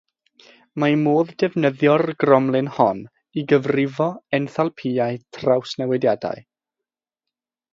Mae modd defnyddio'r gromlin hon i gyfrifo enthalpïau trawsnewidiadau.